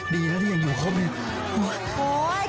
ดีแล้วที่ยังอยู่ครบเนี่ย